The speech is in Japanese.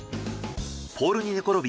ポールに寝ころび